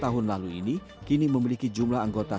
terus saya latih apa yang menjadi kemampuannya